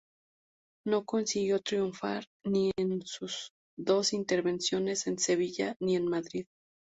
No consiguió triunfar ni en sus dos intervenciones en Sevilla ni en Madrid.